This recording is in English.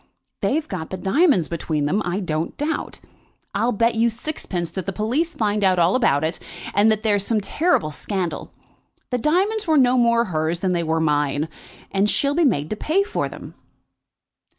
They've got the diamonds between them, I don't doubt. I'll bet you sixpence that the police find out all about it, and that there is some terrible scandal. The diamonds were no more hers than they were mine, and she'll be made to pay for them."